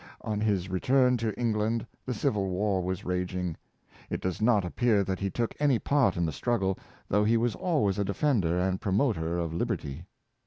On his return to England the civil war was raging. It does not appear that he took any part in the struggle, though he was always a defender and promoter of lib erty.